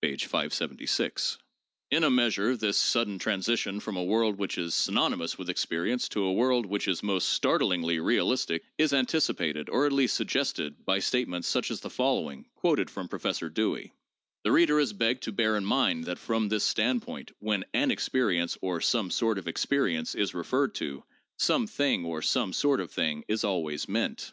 (p. 576). PSYCHOLOGY AND SCIENTIFIC METHODS 66 1 In a measure this sudden transition from a world which is syn onymous with experience to a world which is most startingly realistic is anticipated or at least suggested by statements such as the follow ing, quoted from Professor Dewey: "The reader is begged to bear in mind that from this standpoint, when 'an experience' or 'some sort of experience' is referred to, 'some thing' or 'some sort of thing' is always meant" (p.